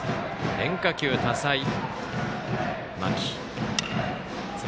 変化球、多彩、間木。